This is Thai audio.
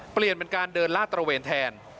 เปลี่ยนเป็นการเดินลาดตระเวนแทน